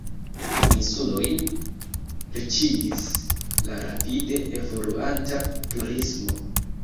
La insulojn riĉigis la rapide evoluanta turismo.